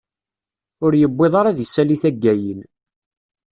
Ur yewwiḍ ara ad d-isali taggayin.